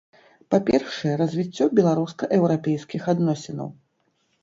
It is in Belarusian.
Па-першае, развіццё беларуска-еўрапейскіх адносінаў.